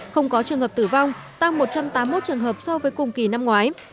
không có trường hợp tử vong tăng một trăm tám mươi một trường hợp so với cùng kỳ năm ngoái